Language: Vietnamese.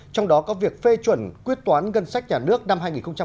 trong đó có việc phê chuẩn quyết toán ngân sách nhà nước năm hai nghìn một mươi bảy